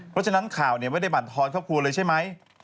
เพราะฉะนั้นข่าวเนี่ยไม่ได้บันทรเข้าครัวเลยใช่ไหม